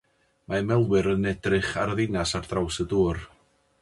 Mae ymwelwyr yn edrych ar ddinas ar draws y dŵr.